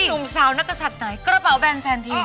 หนุ่มสาวนักศัตริย์ไหนกระเป๋าแบนแฟนทิ้ง